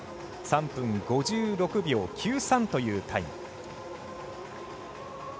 ３分５６秒９３というタイム。